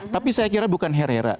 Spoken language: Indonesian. tapi saya kira bukan herrera